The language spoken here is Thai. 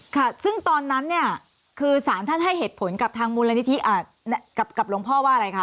ค่ะซึ่งตอนนั้นเนี่ยคือสารท่านให้เหตุผลกับทางมูลนิธิกับหลวงพ่อว่าอะไรคะ